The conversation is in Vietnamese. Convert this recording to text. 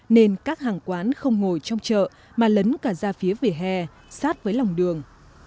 nên các hàng quán không ngồi trong chợ mà lấn cả ra phía vỉa hè sát với lòng đường